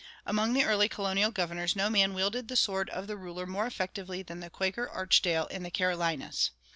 Among the early colonial governors no man wielded the sword of the ruler more effectively than the Quaker Archdale in the Carolinas.